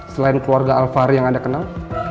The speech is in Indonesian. selain keluarga al fahri yang anda kenal